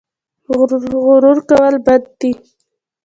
غرور کول بد دي